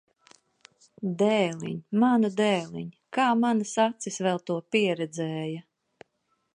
Dēliņ! Manu dēliņ! Kā manas acis vēl to pieredzēja!